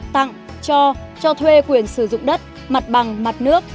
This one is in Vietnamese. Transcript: tặng cho cho thuê quyền sử dụng đất mặt bằng mặt nước